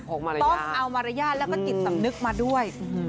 พวกมารยาทดอกเอามรรยายและก็จิดสำนึกมาด้วย